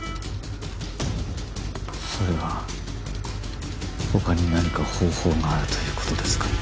それは他に何か方法があるということですか？